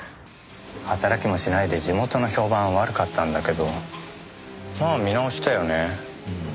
働きもしないで地元の評判は悪かったんだけどまあ見直したよね。